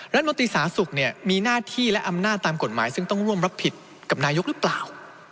รัฐมนตรีสาธารณสุขมีหน้าที่และอำนาจตามกฎหมายซึ่งต้องร่วมรับผิดกับนายกหรือเปล่า